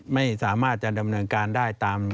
ไม่สามารถจะดำเนินการได้ตาม